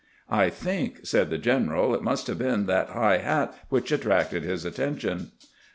"I tbink," said tbe general, "it must bave been tbat Mgb bat wMcb at tracted bis attention."